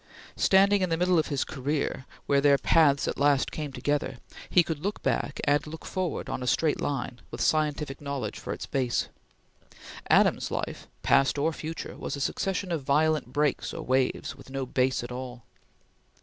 Standing in the middle of his career, where their paths at last came together, he could look back and look forward on a straight line, with scientific knowledge for its base. Adams's life, past or future, was a succession of violent breaks or waves, with no base at all.